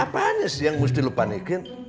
apaan sih yang harus dilupanikin